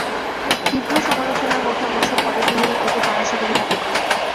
তীব্র সমালোচনার মুখে অবশ্য পরে তিনি একে তামাশা বলে দাবি করেন।